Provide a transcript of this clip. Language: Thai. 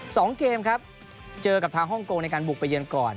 สองเกมครับเจอกับทางฮ่องกงในการบุกไปเยือนก่อน